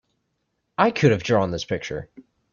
I could have drawn this picture!